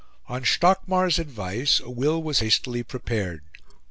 On Stockmar's advice, a will was hastily prepared.